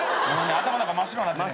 頭の中真っ白になってね。